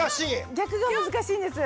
逆が難しいんです。